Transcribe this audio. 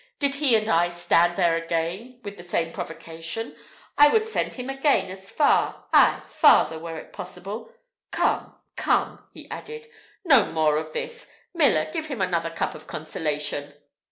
Did he and I stand there again, with the same provocation, I would send him again as far ay, farther, were it possible. Come come," he added, "no more of this! Miller, give him another cup of consolation."